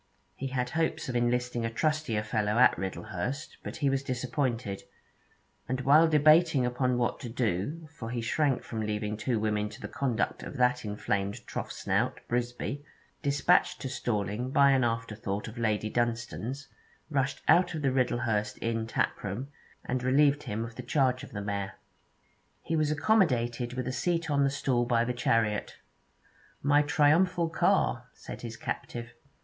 He had hopes of enlisting a trustier fellow at Riddlehurst, but he was disappointed; and while debating upon what to do, for he shrank from leaving two women to the conduct of that inflamed troughsnout, Brisby, despatched to Storling by an afterthought of Lady Dunstane's, rushed out of the Riddlehurst inn taproom, and relieved him of the charge of the mare. He was accommodated with a seat on a stool in the chariot. 'My triumphal car,' said his captive.